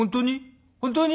本当に？